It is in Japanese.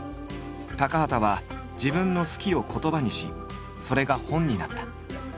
高畑は自分の「好き」を言葉にしそれが本になった。